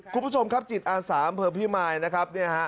คุณผู้ชมครับจิตอาสาอำเภอพี่มายนะครับเนี่ยฮะ